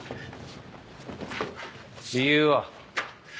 理由は？